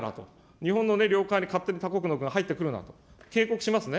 日本の領海に勝手に他国の船が入ってくるなと、警告しますね。